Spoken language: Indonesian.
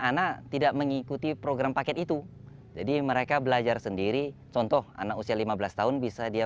anak tidak mengikuti program paket itu jadi mereka belajar sendiri contoh anak usia lima belas tahun bisa dia